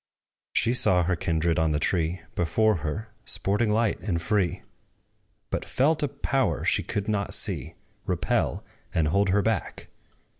She saw her kindred on the tree Before her, sporting light and free; But felt a power, she could not see, Repel and hold her back.